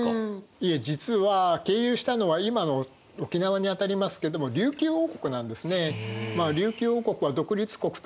いえ実は経由したのは今の沖縄にあたりますけども琉球王国なんですね。